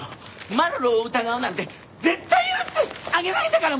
マロロを疑うなんて絶対許してあげないんだから！